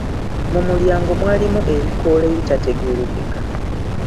Mu mulyango mwalimu ebikoola ebitategeerekeka.